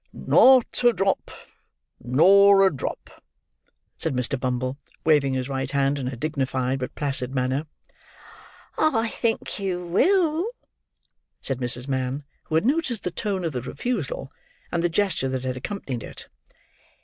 "Not a drop. Nor a drop," said Mr. Bumble, waving his right hand in a dignified, but placid manner. "I think you will," said Mrs. Mann, who had noticed the tone of the refusal, and the gesture that had accompanied it.